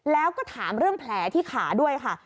แล้วก็ถามเรื่องแผลที่ขาด้วยค่ะ